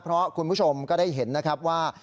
เพราะคุณผู้ชมก็ได้เห็นนะครับว่า